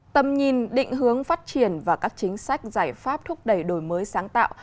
tầm nhìn định hướng phát triển và các chính sách giải pháp thúc đẩy đổi mới sáng tạo